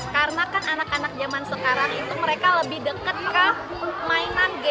karena kan anak anak zaman sekarang itu mereka lebih deket ke mainan gadget